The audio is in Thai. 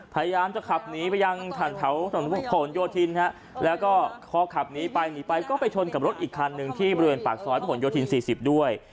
พยายามจะขับหนีไปยังแถวถนนผลโยธินฮะแล้วก็พอขับหนีไปหนีไปก็ไปชนกับรถอีกคันหนึ่งที่บริเวณปากซอยพระหลโยธิน๔๐ด้วย